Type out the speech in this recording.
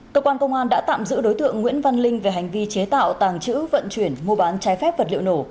cơ quan công an đã tạm giữ đối tượng nguyễn văn linh về hành vi chế tạo tàng trữ vận chuyển mua bán trái phép vật liệu nổ